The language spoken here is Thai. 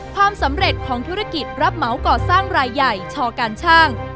ความสำเร็จของธุรกิจรับเหมาก่อสร้างรายใหญ่ชอการช่าง